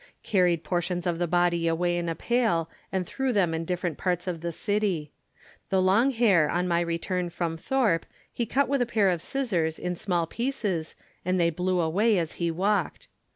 Carried portions of the body away in a pail and threw them in different parts of the city. The long hair on my return from Thorpe, he cut with a pair of scissors in small pieces and they blew away as he walked.